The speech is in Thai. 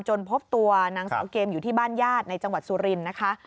พบตัวนางสาวเกมอยู่ที่บ้านญาติในจังหวัดสุรินทร์นะคะ